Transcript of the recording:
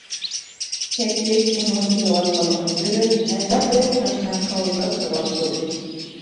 كەكلىك ئۇنىڭ كېلىۋاتقانلىقىنى كۆرۈپ، ھەزەر قىلىپ، تاشنىڭ كاۋىكىغا كىرىۋاپتۇ.